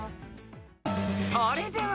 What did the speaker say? ［それでは］